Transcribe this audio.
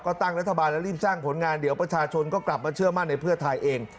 ก็ตั้งรัฐบาลแล้วรีบสร้างผลงานเดี๋ยวประชาชนก็กลับมาเชื่อมั่นในเพื่อไทยเอง